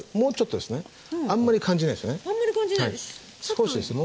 少しですね